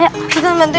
bantuin bantuin bantuin